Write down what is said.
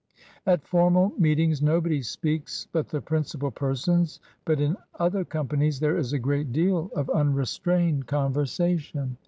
At formal meetings nobody speaks but the principal persons, but in other companies there is a great deal of unrestrained conversation.